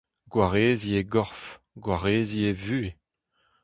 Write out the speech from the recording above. Gwareziñ e gorf, gwareziñ e vuhez.